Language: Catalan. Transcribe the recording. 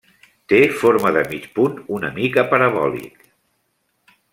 Té forma de mig punt una mica parabòlic.